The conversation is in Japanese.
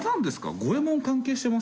五右衛門関係してます？